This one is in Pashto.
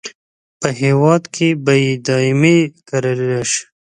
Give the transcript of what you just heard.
په هیواد کې به دایمي کراري راشي.